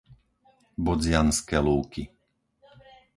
Bodzianske Lúky